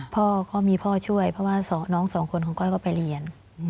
พ่อก็มีพ่อช่วยเพราะว่าน้องสองคนของก้อยก็ไปเรียน